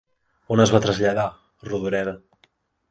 On es va traslladar Rodoreda?